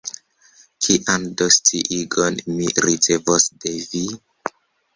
Kian do sciigon mi ricevos de vi?